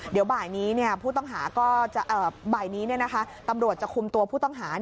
เดี๋ยวบ่ายนี้ตำรวจจะคุมตัวผู้ต้องหา